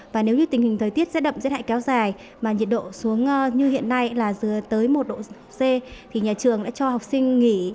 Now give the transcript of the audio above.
và nếu như tình hình thời tiết rét đậm rét hại kéo dài mà nhiệt độ xuống như hiện nay là dưới tới một độ c thì nhà trường đã cho học sinh nghỉ